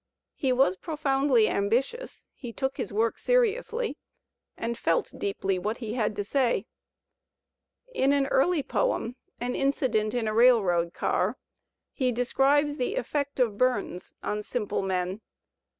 He was profoundly ambitious; he took his work seriously and felt deeply what he had to say. In an early poem, ''An Incident in a Railroad Car," he describes the effect of Bums on simple men.